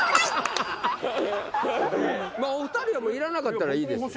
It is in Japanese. お二人はいらなかったらいいです。